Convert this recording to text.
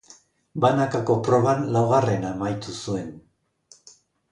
Banakako proban laugarren amaitu zuen.